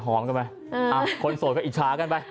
องกันไปคนโสดก็อิจฉากันไป